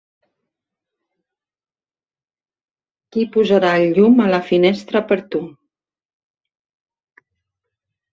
Qui posarà el llum a la finestra per tu.